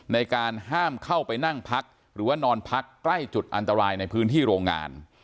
ในการห้ามเข้าไปนั่งพักหรือว่านอนพักใกล้จุดอันตรายในพื้นที่โรงงาน